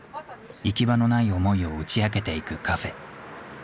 行き場のない思いを打ち明けていくカフェ。